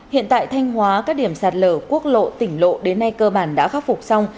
hiện tại thanh hóa các điểm sạt lở quốc lộ tỉnh lộ đến nay cơ bản đã khắc phục xong